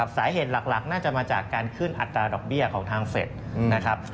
สาเหตุหลักน่าจะมาจากการขึ้นอัตราดอกเบี้ยของทางเฟสนะครับ